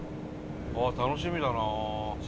ああ楽しみだな。